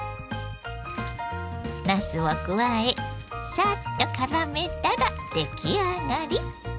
なすを加えサッとからめたら出来上がり。